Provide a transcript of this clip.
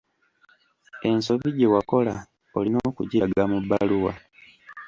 Ensobi gye wakola olina okugiraga mu bbaluwa.